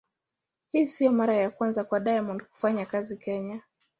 Hii sio mara ya kwanza kwa Diamond kufanya kazi Kenya.